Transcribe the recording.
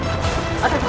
ada yang datang